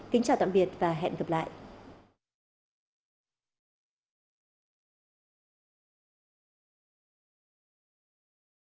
thời gian quan tâm theo dõi kính chào tạm biệt và hẹn gặp lại